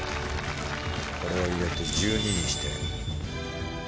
これを入れて１２にして。